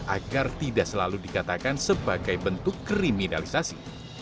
agar tidak selalu dikatakan sebagai bentuk kriminalisasi